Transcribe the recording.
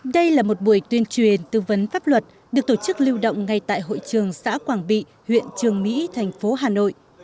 đây là một buổi tuyên truyền tư vấn pháp luật được tổ chức lưu động ngay tại hội trường xã quảng bị huyện trường mỹ thành phố hà nội